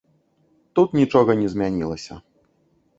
Тут нічога не змянілася.